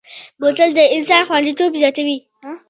بوتل د انسان خوندیتوب زیاتوي.